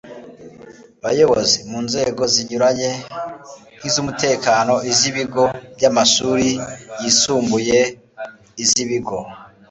bayobozi mu nzego zinyuranye nk'izumutekano, iz'ibigo by'amashuri yisumbuye, iz'ibigo